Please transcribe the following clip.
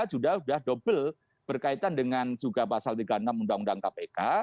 sudah double berkaitan dengan juga pasal tiga puluh enam undang undang kpk